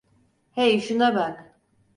Hey, şuna bak!